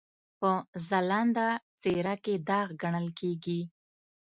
په ځلانده څېره کې داغ ګڼل کېږي.